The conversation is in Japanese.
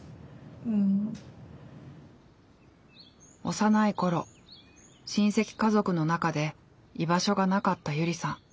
幼い頃親戚家族の中で居場所がなかったゆりさん。